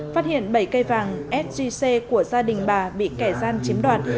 phát hiện bảy cây vàng sgc của gia đình bà bị kẻ gian chiếm đoạt